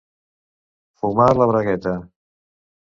Fumar la bragueta.